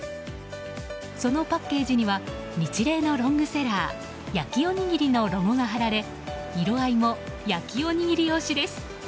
そのパッケージにはニチレイのロングセラー焼おにぎりのロゴが貼られ色合いも焼おにぎり推しです。